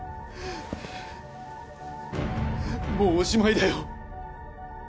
もうおしまいだよ